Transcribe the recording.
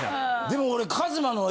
でも俺。